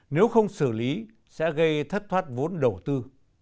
nếu không xử lý sẽ gây thất thoát vốn đầu tư